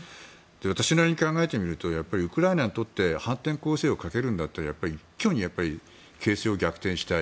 私なりに考えてみるとウクライナにとって反転攻勢をかけるんだったら一挙に形勢を逆転したい。